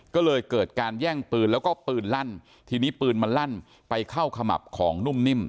ก็เลยเกิดการแย่งปืนแล้วก็ปืนลั่นทีนี้ปืนมันลั่นไปเข้าขมับของนุ่มนิ่ม